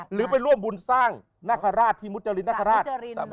หรือเป็นร่วมบุญสร้างนักฮราชที่มุจรินนักฮราช